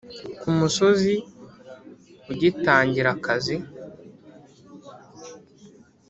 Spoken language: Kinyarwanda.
ku mukozi ugitangira akazi,